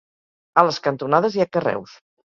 A les cantonades hi ha carreus.